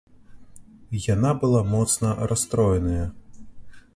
Яна была моцна расстроеная.